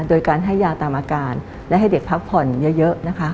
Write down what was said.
โดยการให้ยาตามอาการและให้เด็กพักผ่อนเยอะนะคะ